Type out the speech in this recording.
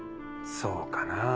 そうかなぁ。